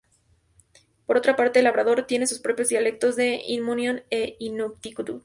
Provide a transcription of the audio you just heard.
Por otra parte, Labrador tiene sus propios dialectos de innu-aimun e inuktitut.